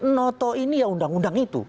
noto ini ya undang undang itu